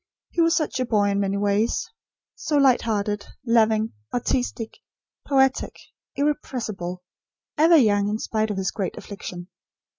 He was such a boy in many ways; so light hearted, loving, artistic, poetic, irrepressible; ever young, in spite of his great affliction.